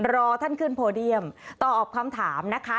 รอท่านขึ้นโพเดียมตอบคำถามนะคะ